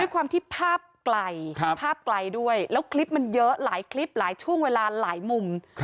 ความที่ภาพไกลภาพไกลด้วยแล้วคลิปมันเยอะหลายคลิปหลายช่วงเวลาหลายมุม